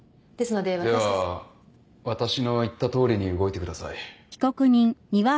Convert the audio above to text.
では私の言ったとおりに動いてください。